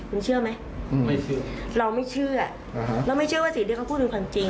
คุณเชื่อไหมเราไม่เชื่อเราไม่เชื่อว่าสีเลือดเขาพูดเป็นความจริง